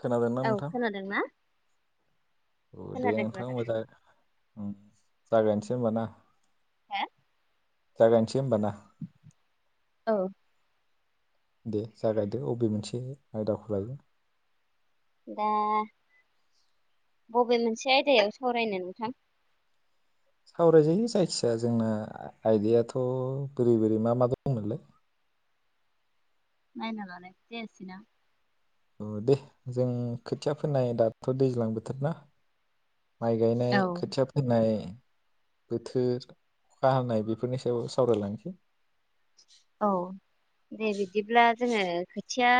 खोनादोंना औ नोंथां खोनादों ना। औ दे खोनादों नोंथां खोनादों मोजां ओम। जागायनोसै होमबा ना। हो जागायनोसै होनबा ना। औ। दे जागायदो अबे मोनसे आयदाखौ लायो। दा बबे मोनसे आयदायाव सावरायनो नोंथां। सावरायजायो जायखिया जोंना आयदायाथ' बोरै बोरै मा मा दंमोनलाय नायना लानायबो जायासैना। औ दे जों खोथिया फोनाय दाथ' दैज्लां बोथोर ना। माइ गायनाय औ खोथिया फोनाय बोथोर अखा हानाय बेफोरनि सायाव सावरायलांनोसै औ दे बिदिब्ला जोङो खोथिया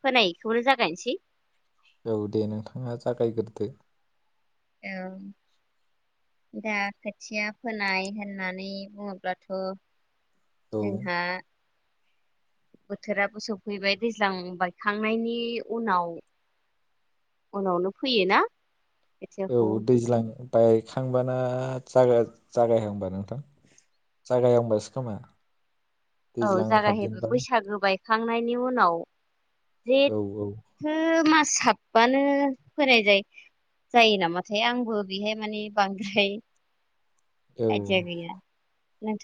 फोनायखौनो जागायनोसै औ दे नोंथाङा जागायग्रोदो। औ दा खोथिया फोनाय होननानै बुङोब्लाथ'। औ जोंहा बोथोराबो सौफैबाय दैज्लां बायखांनायनि उनाव उनावनो फैयोना औ खोथियाखौ दैज्लां। बायखांबाना जागा जागायहांबा नोंथां जागायहांबासो खोमा औ दैज्लां जागायहैबाय हाबजेनबा बैसागो बाय थांनायनि उनाव। औ औ जेथो मास। साबानो होनाय जायो जायो नामाथाय आंबो बेहाय माने बांद्राय औ आइदिया गैया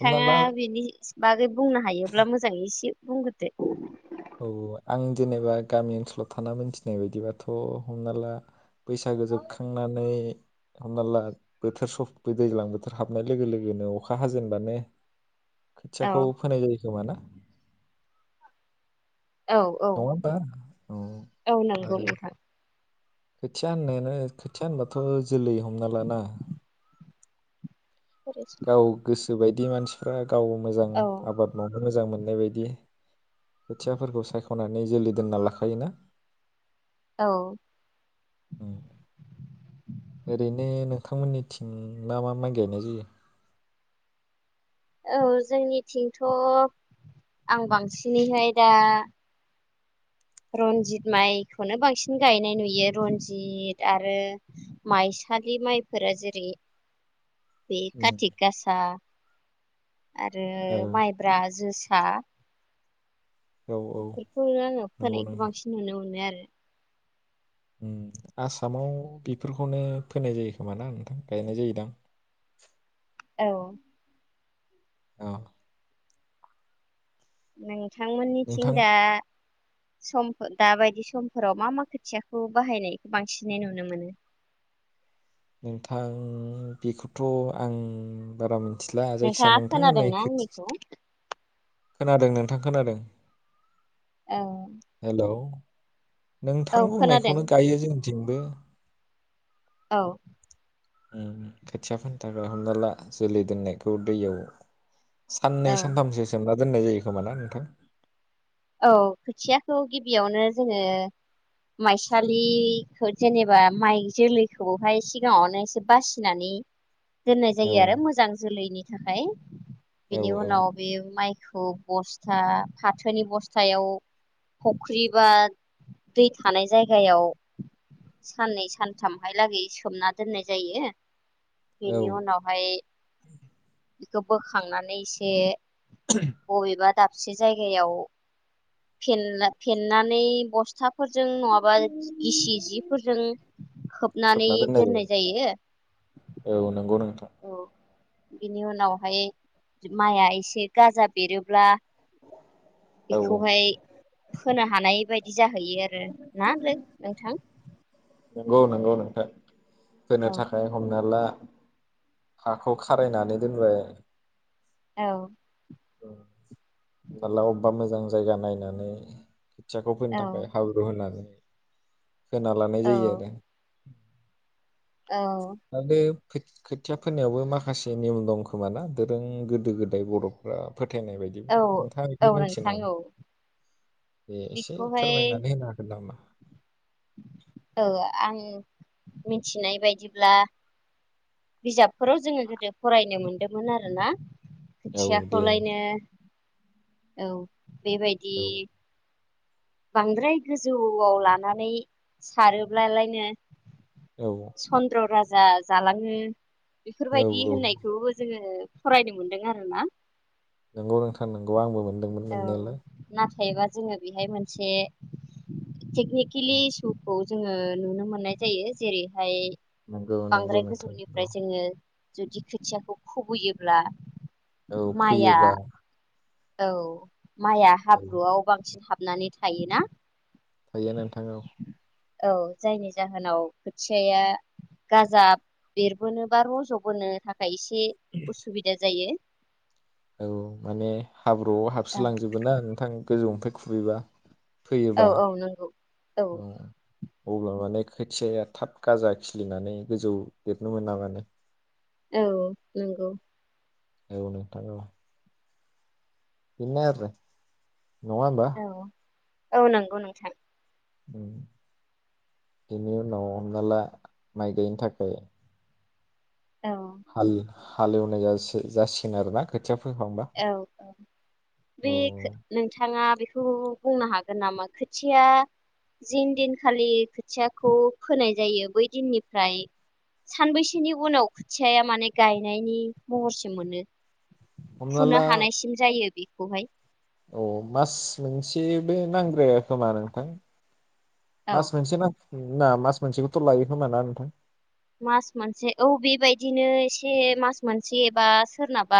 हमना ला बिनि [unintelligible] बुंनो हायोब्ला मोजाङै एसे बुंग्रोदो। औ आं जेनेबा गामि ओनसोलाव थाना मोनथिनाय बायदिबाथ' हमना ला बैसागो जोबखांनानै हमना ला बोथोर सफै दैज्लां बोथोर हाबनाय लोगो लोगोनो अखा हाजेनबानो औ खोथियाखौ फोनाय जायो खोमा ना? औ औ नङा होमबा औ औ नंगौ आरो नोंथां। खोथिया होननायानो खोथिया होनबाथ' जोलै हमना लाना । गाव गोसो गोसोबायदि मानसिफ्रा गाव मोजां औ आबाद मावनो मोजां मोननाय नाय बायदि खोथियाफोरखौ सायख'नानै जोलै दोनना लाखायोना। औ। ओरैनो नोंथांमोननिथिं मा मा माइ गायनाय जायो? औ जोंनिथिंथ' आं बांसिनैहाय दा रनजित माइखौनो बांसिन गायनाय नुयो रनजित आरो माइसालि माइफोरा जेरै बे उम, खाथि गासा आरो औ माइब्रा जोस सा औ औ बेफोरखौ आङो नंगौ फोनायखौ नोंथां बांसिन नुनो मोनो आरो। उम आसामाव बेफोरखौनो फोनाय जायो खोमा ना नोंथां गायनाय जायोदां। औ। अ। [unintelligible] नोंथांमोननिथिं नोंथां दा समफोर दाबायदि समफोराव मा मा खोथियाखौ बाहायनायखौ बांसिनै नुनो मोनो? नोंथां बेखौथ' आं बारा मोन नोंथाङा खोनादोंना आंनिखौ? खोनादों नोंथां खोनादों। औ हेल'‌। नोंथां औ खोनादों बुंनायखौनो गायो जोंथिंबो। औ उम खोथिया थाखाय हमना ला जोलै दोननायखौ दैयाव साननै औ सानथामसो सोमना दोननाय जायो खोमा ना नोंथां? औ खोथियाखौ गिबियावनो जोङो माइसालिखौ जेनेबा माइ जोलैखौहाय सिगाङावनो एसे बासिनानै दोननाय औ जायो आरो मोजां जोलैनि थाखाय औ बिदिनि उनाव औ बे माइ खौ बस्था फाथोनि बस थायाव फख्रि बा दै थानाय जायगायाव साननै सानथामहाय लागै सोमना दोननाय जायो। बेनि औ उनावहाय बेखौ बोखांनानै एसे बबेबा दाब से जायगायाव फेन फेननानै बस्था फोरजों नङाबा गिसि सिफोरजों खोबनानै दोननाय जायो। जायो औ नंगौ नोंथां औ बिनि उनावहाय माइआ एसे गाजा बेरोब्ला औ बेखौहाय होनोनो हानाय बायदि जाहैयो आरो नालै नोंथां? नंगौ नंगौ नोंथां। फोनो औ थाखाय हमना ला हाखौ खारायनानै दोनबाय। औ ओ फाला अबेबा मोजां जायगा नायनानै खोथियाखौ औ फोनो थाखाय हाब्रु होनानै खोना लानाय औ जायो आरो। औ खोथ-खोथिया फोरनायावबो माखासे नियम दं खोमाना? दोरों गोदो गोदाय बर'फ्रा फोथायनाय बायदि औ नोंथाङा औ बेखौ मिथियो नोंथां नामा औ बेे एसे बेखौहाय फोरमायनानै होनो हागोन नामा? औ आं मिथिनाय बायदिब्ला बिजाबफोराव जोङो गोदो फरायनो मोनदोंमोन आरोना औ दे खोथियाखौलायनो औ बेबायदि औ बांद्राय गोजौआव लानानै सारोब्लालायनो औ चन्द्र'रा जा जालाङो औ बेफोरबायदि औ होननायखौबो जोङो फरायनो मोनदों आरो ना नंगौ नोंथां नंगौ आंबो मोन दोंमोन मोननायालाय थायबा जोङो बेहाय मोनसे टेक्निखिलि इसुखौ जोङो नुनो मोननाय जायो जेरैहाय नंगौ नंगौ बांद्राय नोंथां नंगौ गोजौनिफ्राय जोङो जुदि खोथियाखौ खुबैयोब्ला औ माइआ फैयोबा औ माइया औ हाब्रुआव बांसिन हाब नानै थाय ना थायो नोंथां औ औ जायनि जाहोनाव खोथियाया गाजा बेरबोनो बा रज'बोनो थाखाय खायसे उसुबिदा जायो औ माने हाब्रुआव हाबसो औ लांजोबोना नोंथां गोजौनिफाय खुबैबा औ फैयोबा औ नंगौ औ अब्ला माने खोथियाया थाब गाजा खिलिनानै गोजौ देरनो मोना माने औ नंगौ औ नोंथां औ बिनो आरो नङा होमबा औ औ नंगौ नोंथां बेनि उनाव हमनाला माइ गायनो थाखाय औ हाल हालेवनाय जा-जासिगोन आरोना खोथिया फोखांबा औ औ बे औ नोंथाङा बे थ' बुंनो हागोन नामा खोथिया जिन दिनखालि खोथियाखौ फोनाय जायो बै दिननिफ्राय सानबैसेनि उनाव खोथियाया माने गायनायनि महरसिम मोनो हमना फुनो हानायसिम जायो बे खौहाय अ मास मोनसेबो नांद्राया खोमा नोंथां औ मास मोनसे मा ना मास मोनसेखौथ' लायो खोमाना नोंथां मास मोनसे औ बेबायदिनो एसे मास मोनसेबा सोरनाबा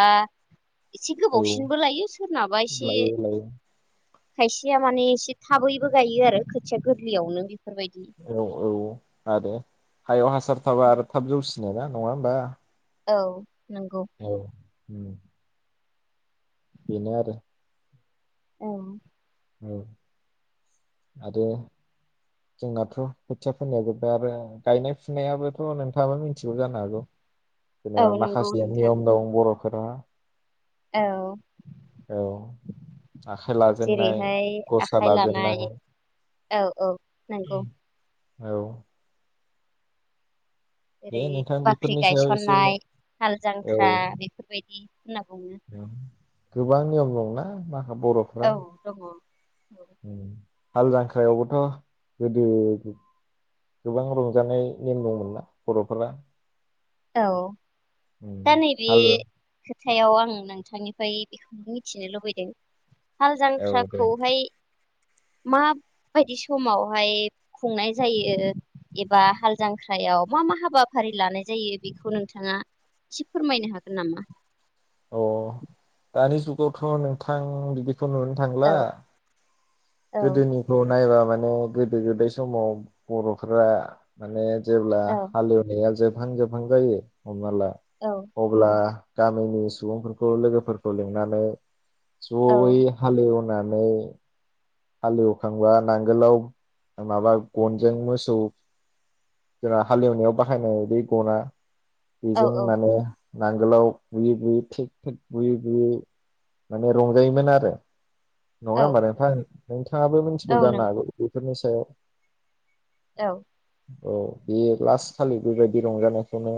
एसे औ गोबावसिनबो लायो सोरनाबा एसे लायो लायो खायसेया माने एसे थाबैबो गायो आरो खोथिया गोरलैयावनो बेफोरबायदि औ औ आरो हायाव हास सार थाबा आरो थाब जौसि नों ना नङा होमबा औ नोंगौ औ उम बिनो आरो औ औ आरो जोंनाथ' खोथिया फोनाया जोबबा आरो गायनाय फुनायाबोथ' नों थांआबो मिथिगौ जानो हागौ औ जेनेबा नंगौ माखासे नोंथां नियम दं बर [unintelligible] औ औ आखाइ लाजेननाय जेरैहाय गसा आखाइ लानाय लाजेननाय औ औ नंगौ औ दे ओेरै नोंथां बाख्रि बेफोरनि सायाव एसे गायसननाय हाल औ जांख्रा बेफोरबायदि। होनना बुङो गोबां नियम दंना मा बर'फ्रा औ दङ औ हाल जांख्रायावबोथ' गोदो गोबां रंजानाय नेम दंमोनना बर'फोरा औ उम, दा नैबे हाल खोथायाव आं नोंथांनिफ्राय बेखौ मिथिनो लुबैदों हाल औ दे जांख्राखौहाय माबायदि समावहाय खुंनाय जायो एबा हाल जांख्रायाव मा मा हाबाफारि लानाय जायो बेखौ नोंथाङा थिग फोरमायनो हागोन नामा अ दानि जुग थ' नोंथां बिदि नुनो थांला औ औ गोदोनिखौ नायबा माने गोदो गोदाय समाव बर'फोरा माने जेब्ला औ हालेवनाया जे जोबहां -जोबहां जायो। हमना ला औ अब्ला गामिनि सुबुंफोरखौ लोगोफोरखौ लिंनानै औ जयै हालेव [unintelligible] हालेवखांबा नांगोलाव माबा गनजों मोसौ जोंहा हालेवनायाव बाहायनाय बे गना औ बेजों माने नांगोलाव बुयै- बुयै थिग थि बुयै -बुयै माने रंजायोमोन आरो। नङा औ होनबा नोंथां। बिथाङाबो मिथिगौ औ जानो नंगौ हागौ बेफोरनि सायाव। औ। औ बे लास खालि बेबायदि रंजानायखौनो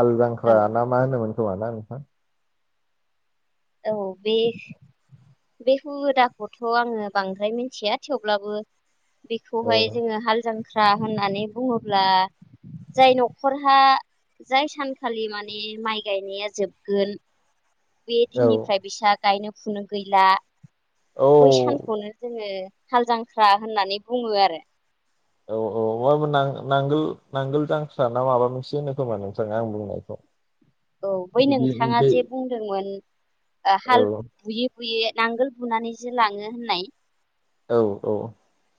हाल जांख्रा औ ना मा होनोमोन? [unintelligible] ना नोंथां। औ बे- बे हुदाखौथ' आङो बांद्राय मिथिया थेवब्लाबो औ बेखौहाय जोङो हाल [unintelligible] [unintelligible] होननानै बुङोब्ला जाय न'खरहा जाय सानखालि माने माइ गायनाया जोबगोन बे औ दिननिफ्राय [unintelligible] गायनो फुनो गैला औ बै सानखौनो जोङो हाल जांख्रा होननानै बुङो आरो। औ औ नांगोल- नांगोल जांख्रा ना माबा मोनसे होनो खोमा नोंथाङा आं बुंनायखौ। औ बै बिदि नोंथाङा बे जे बुंदोंमोन हाल औ बुयै बुयै नांगोल बुनानैसो लाङो होननाय औ औ।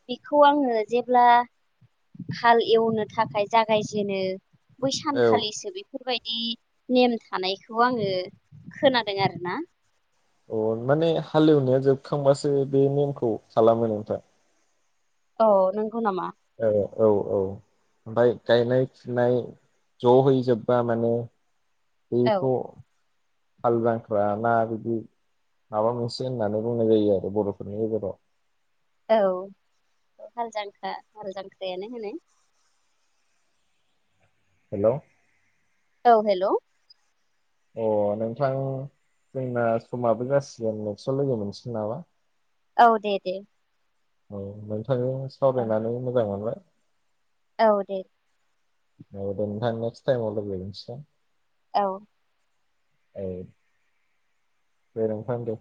बेखौ आङो जेब्ला हाल एवनो थाखाय जागायजेनो बै औ सानखालिसो बेफोरबायदि [unintelligible] नेम थानायखौ आङो खोनादों आरो ना। अ माने हालेवनाया जोबखांबासो बे नेमखौ खालामो नोंथां। औ [unintelligible] [unintelligible] नामा? औ औ ओमफाय गायनाय फुनाय ज' हैजोबबा माने औ बेखौ हाल जांख्रा ना बिदि माबा मोनसे होननानै बुंनाय जायो आरो बर'फोरनि गेजेराव। औ हाल जांख्रा हाल जांख्रायानो होनो। हेलौ औ हेलौ अ नोंथां जोंना समाबो जासिगोन नेक्साव लोगो मोनसिगोन नामा? औ दे दे औ नों थांजों औ सावरायनानै मोजां मोनबाय। औ दे औ दे नोंथां नेक्स टाइमाव लोगो गोनसिगोन। औ ए गोरों फानो दे